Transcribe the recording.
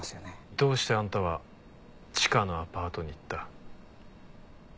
どうしてあんたはチカのアパートに行った？